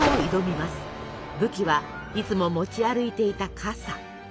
武器はいつも持ち歩いていた傘！